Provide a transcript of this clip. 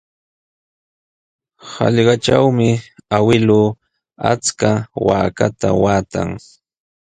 Hallqatrawmi awkilluu achka waakata waatan.